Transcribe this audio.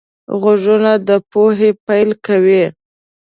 غوږونه د پوهې پیل کوي